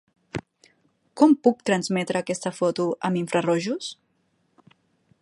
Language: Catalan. Com puc transmetre aquesta foto amb infrarojos?